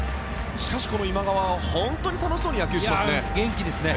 しかし今川は本当に楽しそうに野球をしますね。